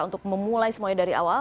untuk memulai semuanya dari awal